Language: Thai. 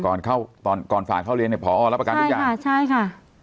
ก่อนเข้าตอนก่อนก่อนฝากเข้าเรียนเนี่ยพอรับประกันทุกอย่างค่ะใช่ค่ะ